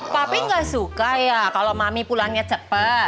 papi gak suka ya kalau mami pulangnya cepat